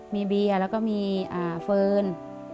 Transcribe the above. มีเบียร์แล้วก็มีเฟิร์น